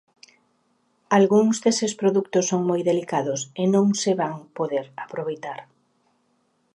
Algúns deses produtos son moi delicados e non se van poder aproveitar.